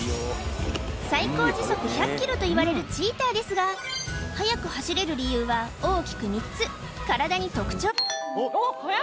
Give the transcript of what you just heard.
最高時速１００ｋｍといわれるチーターですが速く走れる理由は大きく３つ体に特徴おっはやい！